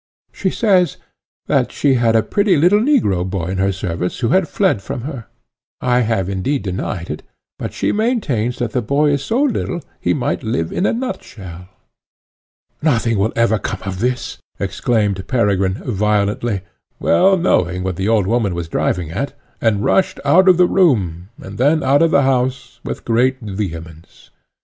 She says, that she had a pretty little negro boy in her service who had fled from her; I have, indeed, denied it, but she maintains that the boy is so little he might live in a nutshell. "Nothing will ever come of this," exclaimed Peregrine violently, well knowing what the old woman was driving at, and rushed out of the room, and then out of the house, with great vehemence.